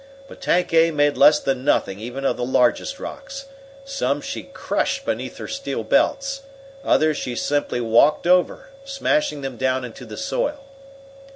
But Tank A made less than nothing even of the largest rocks. Some she crushed beneath her steel belts. Others she simply "walked" over, smashing them down into the soil.